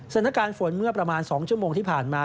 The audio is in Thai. สถานการณ์ฝนเมื่อประมาณ๒ชั่วโมงที่ผ่านมา